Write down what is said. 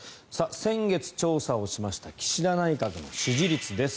先月、調査をしました岸田内閣の支持率です。